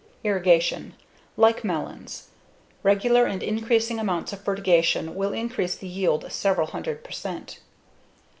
Irrigation: Like melons. Regular and increasing amounts of fertigation will increase the yield several hundred percent.